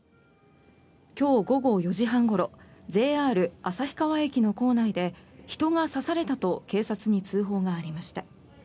今日午後４時半ごろＪＲ旭川駅の構内で人が刺されたと警察に通報がありました。